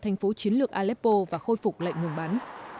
thành phố chiến lược aleppo và khôi phục lệnh ngừng bắn